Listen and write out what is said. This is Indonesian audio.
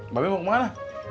mbak bek mau kemana